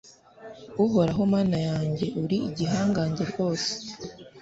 Uhoraho Mana yanjye uri igihangange rwose